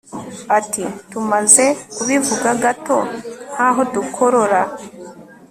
Ati Tumaze kubivuga gato nkaho dukorora